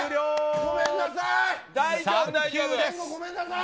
ごめんなさい！